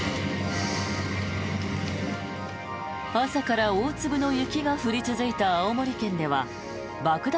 朝から大粒の雪が降り続いた青森県では爆弾